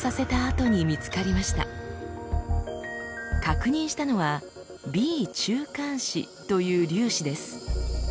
確認したのは「Ｂ中間子」という粒子です。